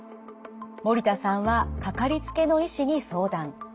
森田さんは掛かりつけの医師に相談。